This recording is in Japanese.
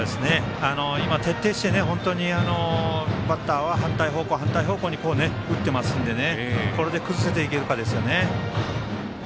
今、徹底してバッターは反対方向に打っていますのでこれで崩せていけるかどうかですよね。